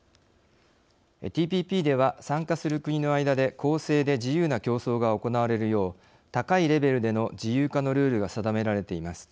ＴＰＰでは参加する国の間で公正で自由な競争が行われるよう高いレベルでの自由化のルールが定められています。